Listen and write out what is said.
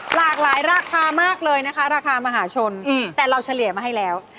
หลากหลายราคามากเลยนะคะราคามหาชนแต่เราเฉลี่ยมาให้แล้ว